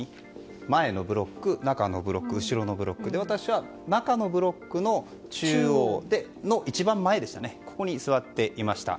前のブロック、中のブロック後ろのブロックで私は中のブロックの中央の一番前に座っていました。